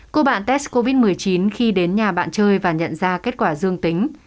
cô bạn test covid một mươi chín khi đến nhà bạn chơi và nhận ra kết quả dương tính